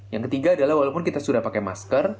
yang ketiga adalah walaupun kita sudah pakai masker